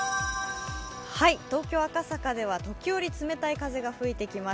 東京・赤坂では時折冷たい風が吹いてきます。